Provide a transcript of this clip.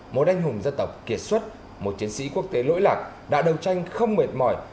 một anh hùng dân tộc kiệt xuất một chiến sĩ quốc tế lỗi lạc đã đầu tranh không mệt mỏi